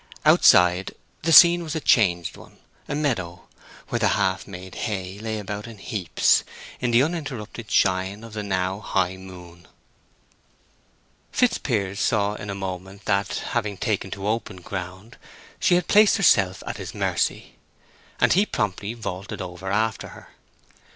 Outside the scene was a changed one—a meadow, where the half made hay lay about in heaps, in the uninterrupted shine of the now high moon. Fitzpiers saw in a moment that, having taken to open ground, she had placed herself at his mercy, and he promptly vaulted over after her.